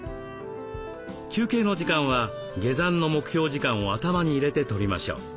休憩の時間は下山の目標時間を頭に入れてとりましょう。